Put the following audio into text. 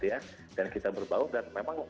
ya dan kita berbau dan memang